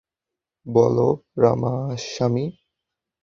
বল, Ramaswami.